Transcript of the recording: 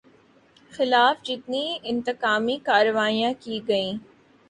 خلاف جتنی انتقامی کارروائیاں کی گئیں